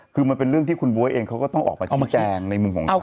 คือมันเป็นเรื่องที่คุณบ๊วยเองเขาก็ต้องออกมาชี้แจงในมุมของเขา